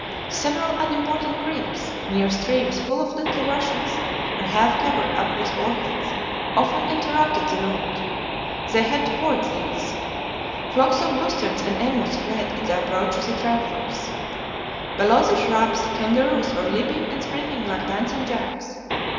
Several unimportant creeks, mere streams full of little rushes, and half covered up with orchids, often interrupted the route. They had to ford these. Flocks of bustards and emus fled at the approach of the travelers. Below the shrubs, kangaroos were leaping and springing like dancing jacks.